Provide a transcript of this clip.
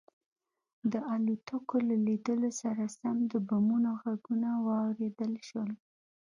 د الوتکو له لیدو سره سم د بمونو غږونه واورېدل شول